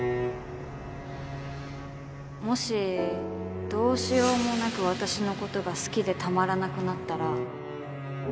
もしどうしようもなく私の事が好きでたまらなくなったら。